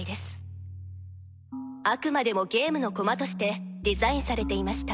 あくまでもゲームの駒としてデザインされていました